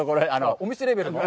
お店レベルの？